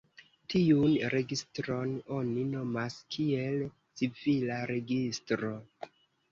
Tiun registron oni nomas kiel "civila registro".